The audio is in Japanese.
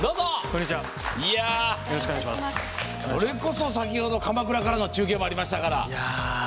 それこそ、先ほど鎌倉からの中継もありましたから。